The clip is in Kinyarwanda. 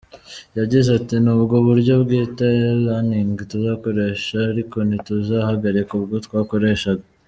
Yagize ati “Ni ubwo buryo bwitwa ‘e-Leaning’ tuzakoresha ariko ntituzahagarika ubwo twakoreshaga.